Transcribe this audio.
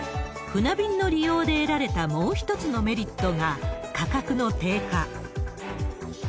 船便の利用で得られたもう一つのメリットが、価格の低下。